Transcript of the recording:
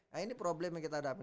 nah ini problem yang kita hadapi